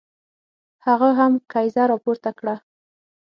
هغه هم کیزه را پورته کړه.